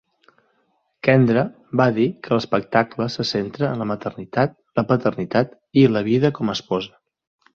Kendra va dir que l'espectacle se centra en la "maternitat, la paternitat i la vida com a esposa".